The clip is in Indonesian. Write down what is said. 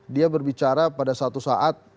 dia berbicara pada satu saat